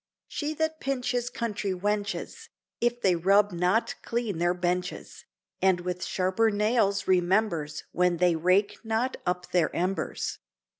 She that pinches country wenches, If they rub not clean their benches, And with sharper nails remembers When they rake not up their embers.